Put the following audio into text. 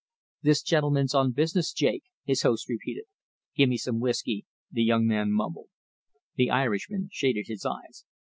"The gentleman's on business, Jake," his host repeated. "Give me some whisky," the young man mumbled. The Irishman shaded his eyes.